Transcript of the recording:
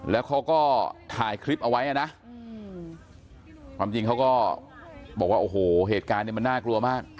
แล้วเขาก็ถ่ายคลิปเอาไว้นะความจริงเขาก็บอกว่าโอ้โหเหตุการณ์เนี่ยมันน่ากลัวมาก